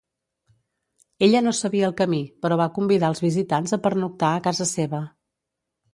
Ella no sabia el camí, però va convidar els visitants a pernoctar a casa seva.